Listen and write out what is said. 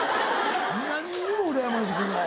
何にもうらやましくない。